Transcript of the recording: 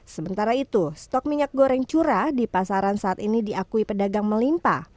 sementara itu stok minyak goreng curah di pasaran saat ini diakui pedagang melimpa